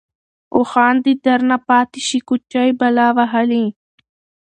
اوښـان دې درنه پاتې شي كوچـۍ بلا وهلې.